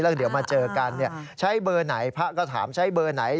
เดี๋ยวมาเจอกันใช้เบอร์ไหนพระก็ถามใช้เบอร์ไหน